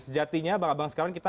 sejatinya bang abang sekalian kita